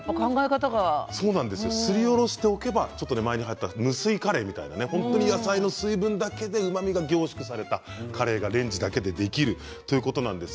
すりおろしておけば無水カレーみたいな野菜の水分だけでうまみが凝縮されたカレーがレンジでできるということなんです。